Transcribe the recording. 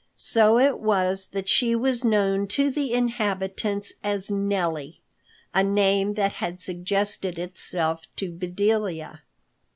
So it was that she was known to the inhabitants as Nellie, a name that had suggested itself to Bedelia.